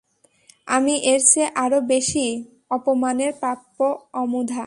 আমি এরচেয়ে আরও বেশি অপমানের প্রাপ্য, অমুধা!